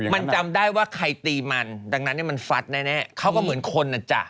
มันจำได้ว่าใครตีมันดังนั้นมันฟัดแน่เขาก็เหมือนคนนะจ๊ะ